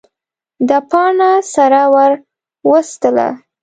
ده باڼه سره ور وستله.